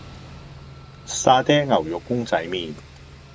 沙爹牛肉公仔麪